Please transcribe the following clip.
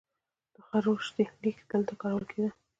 د خروشتي لیک دلته کارول کیده